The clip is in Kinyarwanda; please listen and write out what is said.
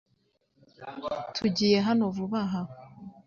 Tugiye hano vuba aha .